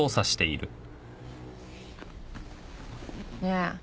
ねえ。